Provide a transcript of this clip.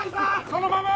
そのまま！